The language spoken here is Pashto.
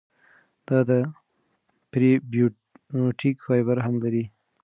دا د پری بیوټیک فایبر هم لري.